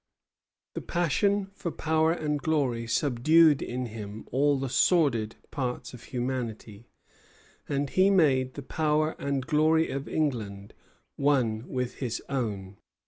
The passion for power and glory subdued in him all the sordid parts of humanity, and he made the power and glory of England one with his own.